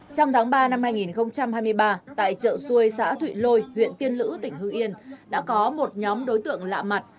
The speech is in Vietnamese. trong tháng ba năm hai nghìn hai mươi ba tại chợ xuôi xã thụy lôi huyện tiên lữ tỉnh hương yên đã có một nhóm đối tượng lạ mặt